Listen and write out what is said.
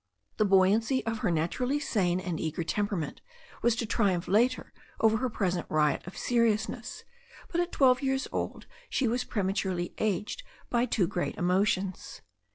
The buoyancy of her natu rally sane and eager temperament was to triumph later over her present riot of seriousness, but at twelve years old she was prematurely aged by two great emotions.